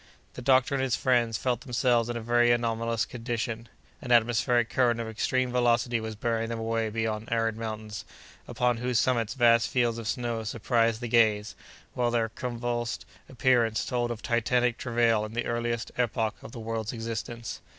The doctor and his friends felt themselves in a very anomalous condition; an atmospheric current of extreme velocity was bearing them away beyond arid mountains, upon whose summits vast fields of snow surprised the gaze; while their convulsed appearance told of Titanic travail in the earliest epoch of the world's existence.